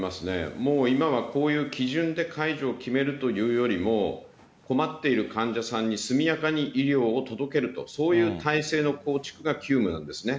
もう今はこういう基準で解除を決めるというよりも、困っている患者さんに速やかに医療を届けると、そういう体制の構築が急務なんですね。